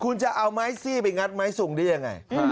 คุณจะเอาไม้ซี่ไปงัดไม้ซุงได้ยังไง